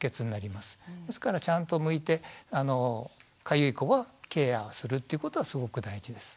ですからちゃんとむいてかゆい子はケアをするってことはすごく大事です。